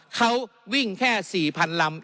เขาวิ่งแค่๔๐๐๐ลำ